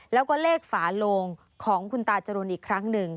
แล้วก็เลขฝาโลงของคุณตาจรูนอีกครั้งหนึ่ง